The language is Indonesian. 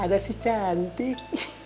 ada si cantik